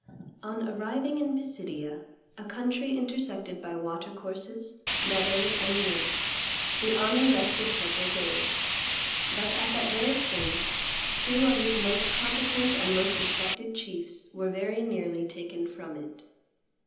On arriving in Pisidia, a country intersected by Water courses, meadows, and woods, the army rested several days; but at that very point two of its most competent and most respected chiefs were very nearly taken from it.